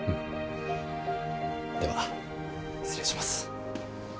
では失礼します。